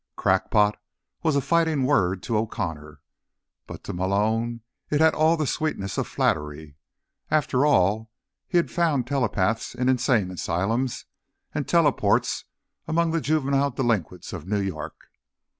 "Crackpot" was a fighting word to O'Connor. But to Malone it had all the sweetness of flattery. After all, he'd found telepaths in insane asylums, and teleports among the juvenile delinquents of New York.